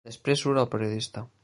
Després surt el periodista.